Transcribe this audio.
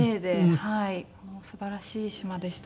もうすばらしい島でしたね。